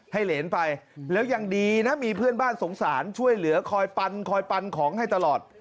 เหรนไปแล้วยังดีนะมีเพื่อนบ้านสงสารช่วยเหลือคอยปันคอยปันของให้ตลอด